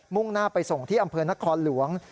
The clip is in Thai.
่งหน้าไปส่งที่อำเภอนครหลวง